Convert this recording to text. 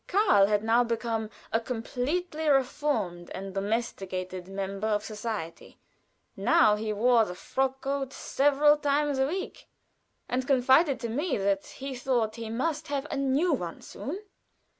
Karl had now become a completely reformed and domesticated member of society; now he wore the frock coat several times a week, and confided to me that he thought he must have a new one soon.